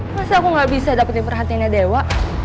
masa aku gak bisa dapetin perhatiannya dewa